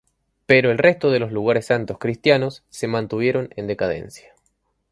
Pero el resto de los lugares santos cristianos se mantuvieron en decadencia.